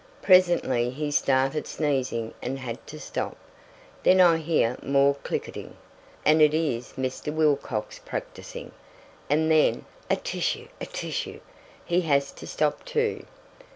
Presently he started sneezing and had to stop. Then I hear more clicketing, and it is Mr. Wilcox practising, and then, 'a tissue, a tissue': he has to stop too.